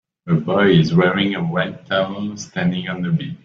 A boy is wearing a red towel standing on the beach.